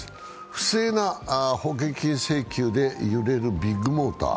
不正な保険金請求で揺れるビッグモーター。